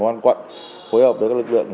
công an quận phối hợp với các lực lượng